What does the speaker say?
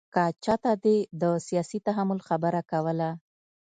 که چاته دې د سیاسي تحمل خبره کوله.